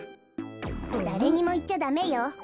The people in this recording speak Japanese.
だれにもいっちゃダメよ。